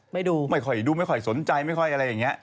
ดูไม่ค่อยดูไม่ค่อยสนใจไม่ค่อยอะไรอย่างนี้